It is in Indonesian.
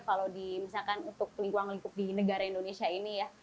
kalau misalkan untuk pelingkulang pelingkul di negara indonesia ini ya